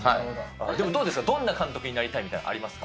でも、どうですか、どんな監督になりたいみたいなの、ありますか？